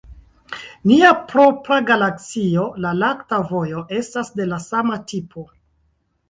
Nia propra galaksio, la lakta vojo, estas de la sama tipo.